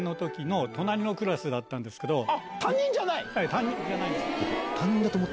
担任じゃないです。